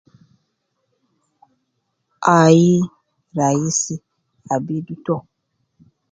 Ai, raisi abidu to